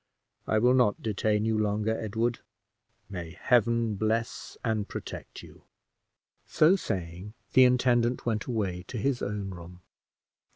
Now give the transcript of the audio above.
I will not detain you longer, Edward: may Heaven bless and protect you!" So saying, the intendant went away to his own room.